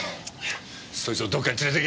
そいつをどっかへ連れてけ。